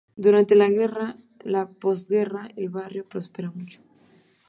Durante la guerra y la postguerra el barrio prospera mucho.